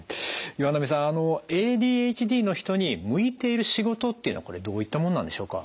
岩波さんあのＡＤＨＤの人に向いている仕事っていうのはこれどういったものなんでしょうか。